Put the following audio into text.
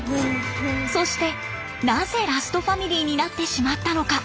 そしてなぜラストファミリーになってしまったのか？